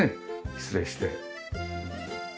失礼して。